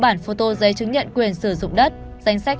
một bảy trăm tám mươi bốn bản phô tô giấy chứng nhận quyền sử dụng đất